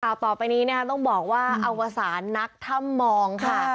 ต่อไปนี้นะคะต้องบอกว่าอวสารนักถ้ำมองค่ะ